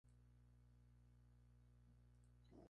La obra fue encargada por el abad Gregorio Correr.